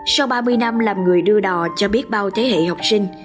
sau ba mươi năm làm người đưa đò cho biết bao thế hệ học sinh